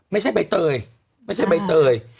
ไม่ใช่ใบเตยไม่ใช่ใบเตย